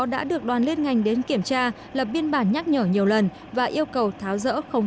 đã được đoàn liên ngành đến kiểm tra lập biên bản nhắc nhở nhiều lần và yêu cầu tháo rỡ không